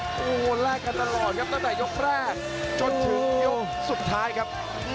โอ้โหแลกกันตลอดครับตั้งแต่ยกแรกจนถึงยกสุดท้ายครับ